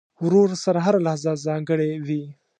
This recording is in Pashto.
ورور سره هره لحظه ځانګړې وي.